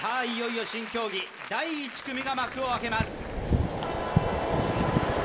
いよいよ新競技第１組が幕を開けます